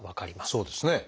そうですね。